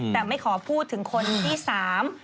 แต่ไม่ขอพูดถึงคนที่สาม